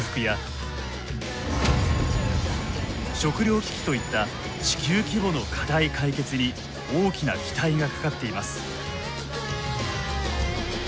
食糧危機といった地球規模の課題解決に大きな期待がかかっています。